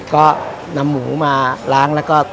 ก็นำหมูมาล้างแล้วก็